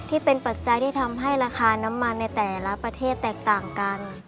ปัจจัยที่ทำให้ราคาน้ำมันในแต่ละประเทศแตกต่างกัน